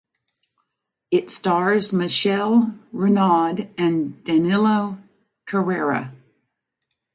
It stars Michelle Renaud and Danilo Carrera.